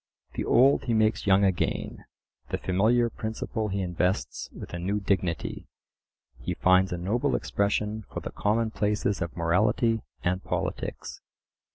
The old he makes young again; the familiar principle he invests with a new dignity; he finds a noble expression for the common places of morality and politics.